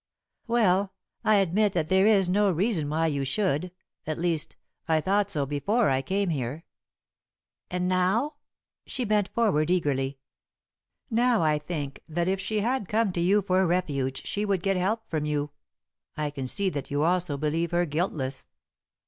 "Well, I admit that there is no reason why you should at least, I thought so before I came here." "And now?" She bent forward eagerly. "Now I think that if she had come to you for refuge she would get help from you. I can see that you also believe her guiltless."